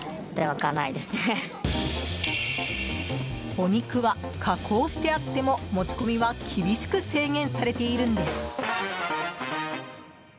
お肉は加工してあっても持ち込みは厳しく制限されているんです。